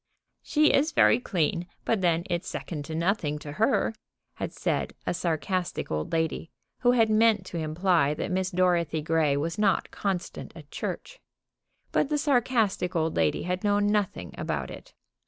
"She is very clean, but then it's second to nothing to her," had said a sarcastic old lady, who had meant to imply that Miss Dorothy Grey was not constant at church. But the sarcastic old lady had known nothing about it.